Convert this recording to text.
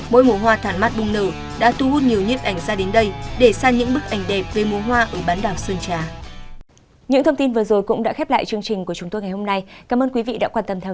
mỗi mùa hoa thoản mát bùng nở đã thu hút nhiều nhiếp ảnh ra đến đây để xem những bức ảnh đẹp về mùa hoa ở bán đảo sơn trà